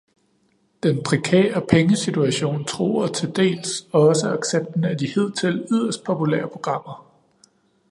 Den prekære pengesituation truer til dels også accepten af de hidtil yderst populære programmer.